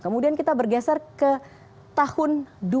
kemudian kita bergeser ke tahun dua ribu enam belas